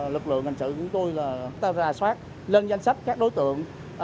lực lượng hành sự của tôi ra soát lên danh sách các đối tượng